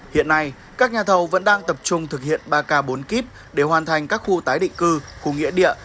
hiện nay các nhà thầu vẫn đang tập trung thực hiện ba k bốn k để hoàn thành các khu tái định cư khu nghĩa địa